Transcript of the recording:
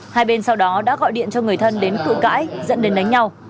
hai bên sau đó đã gọi điện cho người thân đến cự cãi dẫn đến đánh nhau